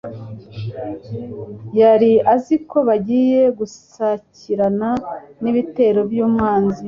Yari aziko bagiye gusakirana n'ibitero by'umwanzi